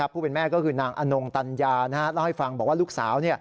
ผู้เป็นแม่ก็คือนางอนงตัญญาเล่าให้ฟังบอกว่าลูกสาว